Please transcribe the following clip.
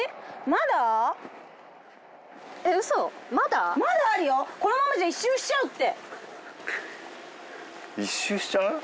まだあるよこのままじゃ１周しちゃうって１周しちゃう？